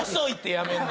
やめるの。